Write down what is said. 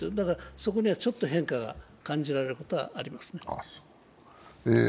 そこにはちょっと変化が感じられることはありますね。